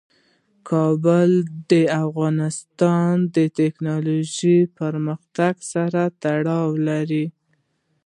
کابل د افغانستان د تکنالوژۍ پرمختګ سره تړاو لري.